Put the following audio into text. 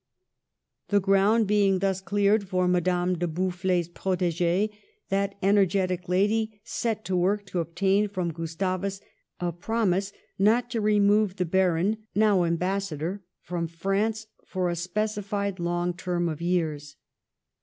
The ground being thus cleared for Madame de Bouffler's prot6g6, that energetic lady set to work to obtain from Gustavus a promise not to remove the Baron, now ambassador, from France for a specified long term of years.